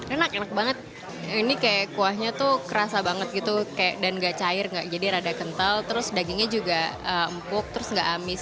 enak enak banget ini kayak kuahnya tuh kerasa banget gitu dan gak cair jadi rada kental terus dagingnya juga empuk terus nggak amis